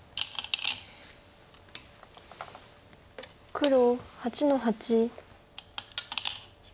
黒８の八。